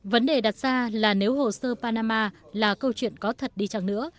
vấn đề đặt ra là nếu hồ sơ panama là câu chuyện có thật đi chẳng nữa